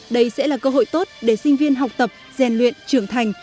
đây sẽ là cơ hội tốt để sinh viên học tập rèn luyện trưởng thành